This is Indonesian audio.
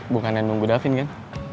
bukan yang nunggu davin kan